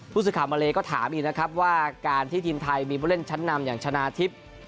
ผู้สื่อข่าวมาเลก็ถามอีกนะครับว่าการที่ทีมไทยมีผู้เล่นชั้นนำอย่างชนะทิพย์